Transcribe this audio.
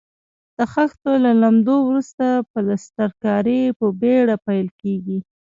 د خښتو له لمدولو وروسته پلسترکاري په بېړه پیل کیږي.